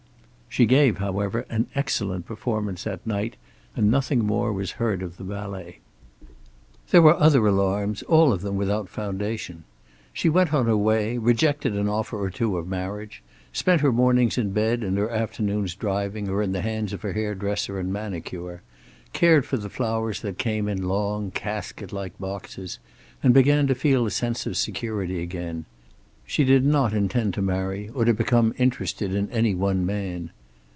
She gave, however, an excellent performance that night, and nothing more was heard of the valet. There were other alarms, all of them without foundation. She went on her way, rejected an offer or two of marriage, spent her mornings in bed and her afternoons driving or in the hands of her hair dresser and manicure, cared for the flowers that came in long casket like boxes, and began to feel a sense of security again. She did not intend to marry, or to become interested in any one man.